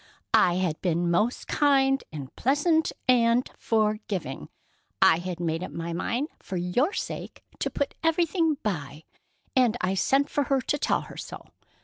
"I had been most kind and patient and forgiving. I had made up my mind for your sake to put everything by, and I sent for her to tell her so.